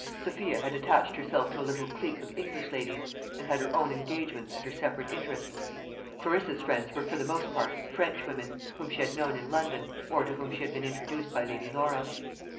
Sophia had attached herself to a little clique of English ladies, and had her own engagements and her separate interests. Clarissa's friends were for the most part Frenchwomen, whom she had known in London, or to whom she had been introduced by Lady Laura.